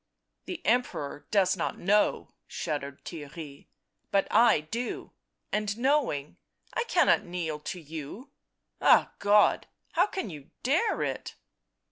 " The Emperor does not know," shuddered Theirry, " but I do — and knowing, I cannot kneel to you. ... Ah God !— how can you dare it